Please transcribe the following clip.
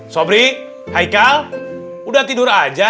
sobri haikal udah tidur aja